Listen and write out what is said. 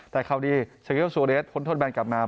แต่คราวดีสกิลสูอเลสพ้นทนแบลน์กลับมา